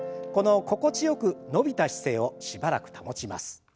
この心地よく伸びた姿勢をしばらく保ちます。